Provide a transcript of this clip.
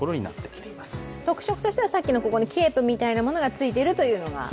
特色としてはさっきの首にケープみたいなものがついているというのが？